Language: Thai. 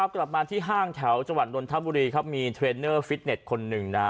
กลับมาที่ห้างแถวจังหวัดนนทบุรีครับมีเทรนเนอร์ฟิตเน็ตคนหนึ่งนะฮะ